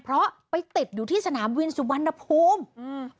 เพราะไปติดอยู่ที่สนามบินสุวรรณภูมิอืม